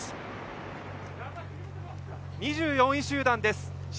２４位集団です。